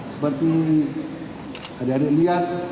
seperti adik adik lihat